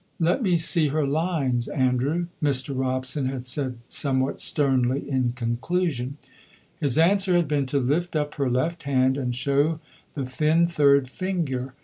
"Let me see her lines, Andrew," Mr. Robson had said somewhat sternly in conclusion. His answer had been to lift up her left hand and show the thin third finger.